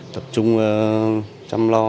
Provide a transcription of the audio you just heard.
tập trung chăm lo